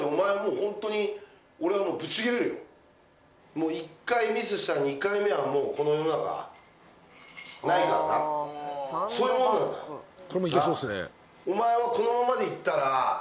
もう１回ミスしたら２回目はもうこの世の中ないからなそういうもんなんだよなっ